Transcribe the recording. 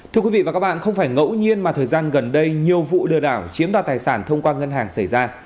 thưa quý vị và các bạn không phải ngẫu nhiên mà thời gian gần đây nhiều vụ lừa đảo chiếm đoạt tài sản thông qua ngân hàng xảy ra